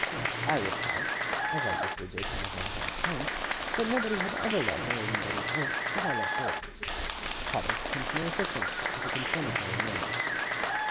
I replied, as I usually did whenever I had a chance, that nobody had ever loved anybody else as I loved Dora. Traddles came to my assistance with a confirmatory murmur.